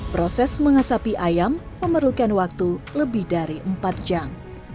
proses mengasapi ayam memerlukan waktu lebih dari empat jam